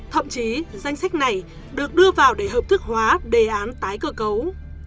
thậm chí danh sách này được đưa vào để hợp thức hóa đề án tái cơ cấu